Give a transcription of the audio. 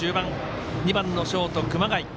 ２番のショート、熊谷。